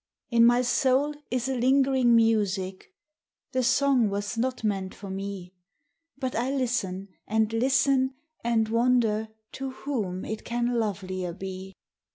In my soul is a lingering music: ' The song was not meant for me, But I listen, and listen, and wonder To whom it can lovelier be.